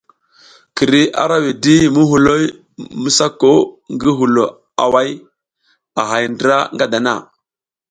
Kiri ara widi muhuloy mi soka ngi hulo away a hay ndra nga dana.